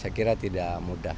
saya kira tidak mudah